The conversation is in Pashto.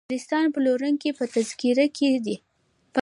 کریستال پلورونکی په تنګیر کې دی.